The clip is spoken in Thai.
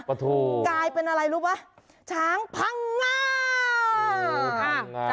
กลายเป็นอะไรรู้ป่ะช้างพังงา